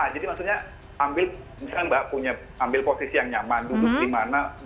jadi maksudnya ambil misalnya mbak punya posisi yang nyaman duduk di mana